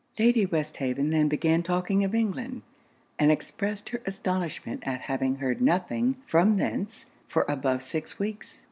Lady Westhaven then began talking of England, and expressed her astonishment at having heard nothing from thence for above six weeks.